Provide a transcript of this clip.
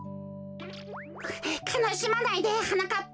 かなしまないではなかっぱ。